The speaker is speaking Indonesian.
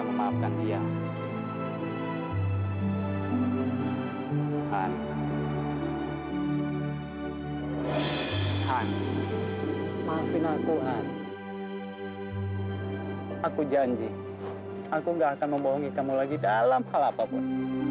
memaafkan dia han han maafin aku han aku janji aku nggak akan membohongi kamu lagi dalam hal apapun